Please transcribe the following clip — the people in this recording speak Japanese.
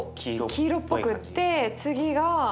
黄色っぽくって次が。